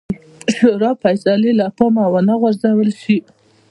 شورا فیصلې له پامه ونه غورځول شي.